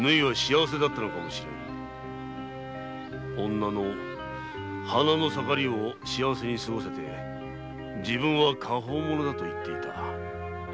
女の花の盛りを幸せに過ごせて自分は果報者だと言っていた。